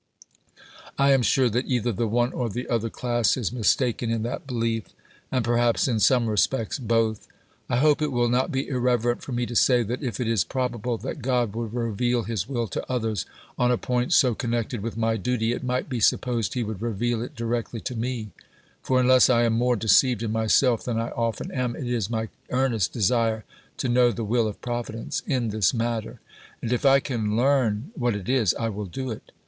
I am sure that either the one or the other class is mistaken in that belief, and perhaps in some respects both. I hope it will not be irreverent for me to say that if it is probable that God would reveal his will to others, on a point so con nected with my duty, it might be supposed he would reveal it directly to me ; for, unless I am more deceived in myself than I often am, it is my earnest desire to know the will of Providence in this matter. And if I can learn what it is, I will do it.